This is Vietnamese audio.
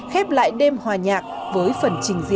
khép lại đêm hòa nhạc với phần chính trị của nhạc này